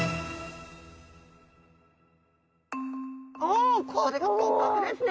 おおこれが骨格ですね。